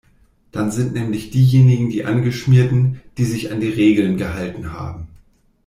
Dann sind nämlich diejenigen die Angeschmierten, die sich an die Regeln gehalten haben.